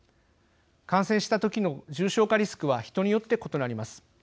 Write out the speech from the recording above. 感染した時の重症化リスクは人によって異なります。